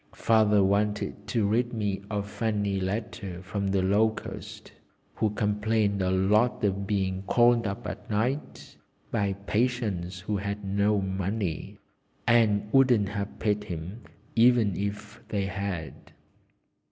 Father wanted to read me a funny letter from the Locust, who complained a lot of being called up at night by patients who had no money, and wouldn't have paid him even if they had.